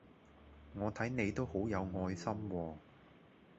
我睇你都好有愛心喎